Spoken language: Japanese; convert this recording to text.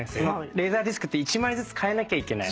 レーザーディスクって１枚ずつかえなきゃいけない。